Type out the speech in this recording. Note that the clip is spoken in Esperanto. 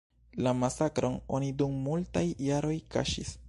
La masakron oni dum multaj jaroj kaŝis.